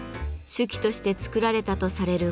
酒器として作られたとされる